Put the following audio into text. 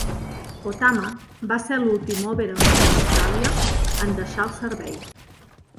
"Otama" va ser l"últim "Oberon" d"Austràlia en deixar el servei.